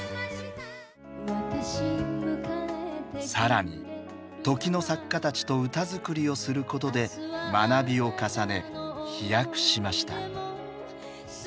更に時の作家たちと歌作りをすることで学びを重ね飛躍しました。